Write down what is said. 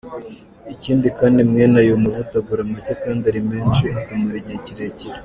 Ikindi kandi mwene ayo mavuta agura make, kandi ari menshi akamara igihe kirekire.